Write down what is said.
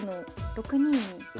６二。